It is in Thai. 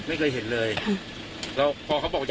ไม่เคยเห็นเลย